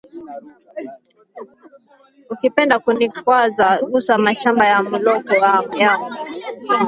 Uki penda kuni kwaza gusa mashamba ya muloko yangu